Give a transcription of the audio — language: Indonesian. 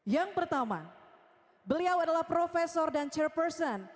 yang pertama beliau adalah professor dan chairperson